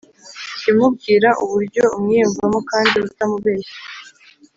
jya umubwira uburyo umwiyumvamo kandi utamubeshye.